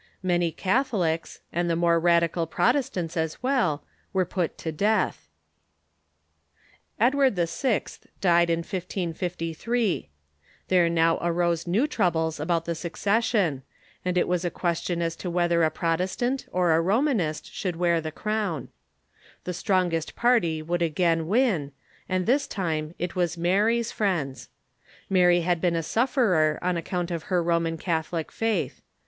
Many Catholics, and the more radical Protestants as well, Avere put to death. Edward YI. died in 1553. There now arose new troubles about the succession, and it was a question as to Avhether a Protestant or a Romanist should wear the crown. Queen Mary „ii i i •• t i •• ihe strongest party would again win, and this time it was Mary's friends. Mary had been a suflFerer on account of her Roman Catholic faith.